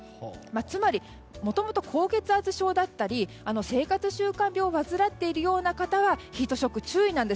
つまりもともと高血圧症だったり生活習慣病を患っているような方はヒートショックに注意です。